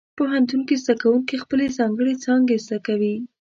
پوهنتون کې زده کوونکي خپلې ځانګړې څانګې زده کوي.